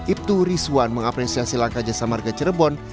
ibtu rizwan mengapresiasi langkah jasa marga cirebon